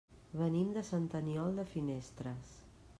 Venim de Sant Aniol de Finestres.